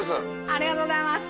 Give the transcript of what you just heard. ありがとうございます。